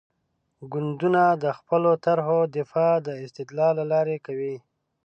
ګوندونه د خپلو طرحو دفاع د استدلال له لارې کوي.